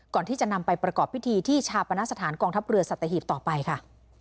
ก่อนที่จะนำไปประกอบพิธีที่ชาปณสถานกองทัพเรือสัตหีบต่อไปค่ะ